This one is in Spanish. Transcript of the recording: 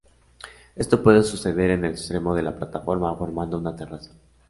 Esto puede suceder en el extremo de la plataforma, formando una terraza.